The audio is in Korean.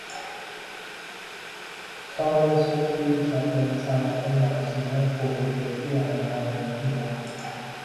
처음에 속히 잡은 산업은 마침내 복이 되지 아니하느니라